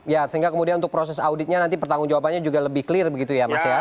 ya sehingga kemudian untuk proses auditnya nanti pertanggung jawabannya juga lebih clear begitu ya mas ya